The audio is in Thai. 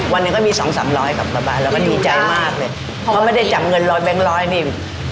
หนึ่งก็มีสองสามร้อยกลับมาบ้านเราก็ดีใจมากเลยเพราะไม่ได้จับเงินร้อยแบงค์ร้อยนี่